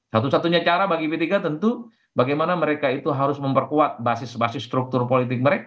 satu satunya cara bagi p tiga tentu bagaimana mereka itu harus memperkuat basis basis struktur politik mereka